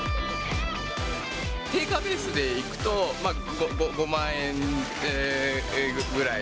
定価ベースでいくと、５万円ぐらい。